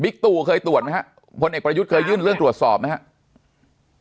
บิ๊กตู่เคยตรวจมั้ยครับคนเอกประยุทธ์เคยยื่นเรื่องตรวจสอบมั้ยครับ